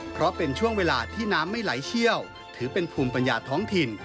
เพราะเป็นช่วงเวลาที่น้ำไม่ไหลเชี่ยวถือเป็นภูมิปัญญาท้องถิ่น